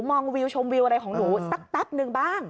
มองวิวชมวิวอะไรของหนูสักหนึ่งบ้าง